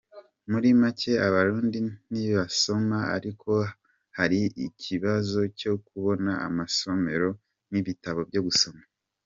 Muri make Abarundi ntibasoma, ariko hari ikibazo cyo kubona amasomero n’ibitabo byo gusoma.